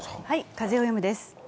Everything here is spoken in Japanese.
「風をよむ」です。